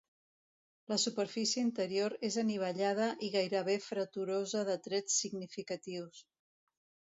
La superfície interior és anivellada i gairebé freturosa de trets significatius.